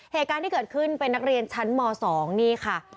เหตุการณ์ที่เกิดขึ้นเป็นนักเรียนชั้นม๒นี่ค่ะ